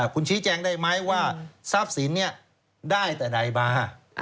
คุณชี้แจงได้ไหมว่าทรัพย์สินนี้ได้แต่ใดมา